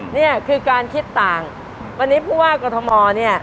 เนี่ยคือการคิดต่างวันนี้เพราะว่ากฏมอลเนี่ย